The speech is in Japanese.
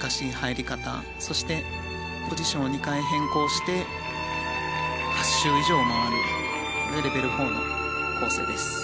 難しい入り方そしてポジションを２回変更して８周以上回るレベル４の構成です。